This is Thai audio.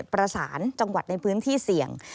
ประสานจังหวัดในพื้นที่เสี่ยง